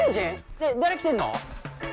ねえ誰来てんの？